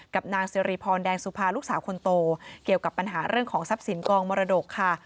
นางสิริพรแดงสุภาลูกสาวคนโตเกี่ยวกับปัญหาเรื่องของทรัพย์สินกองมรดกค่ะ